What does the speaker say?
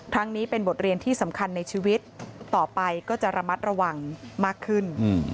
นี้เป็นบทเรียนที่สำคัญในชีวิตต่อไปก็จะระมัดระวังมากขึ้น